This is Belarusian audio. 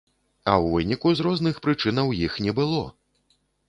А ў выніку, з розных прычынаў, іх не было!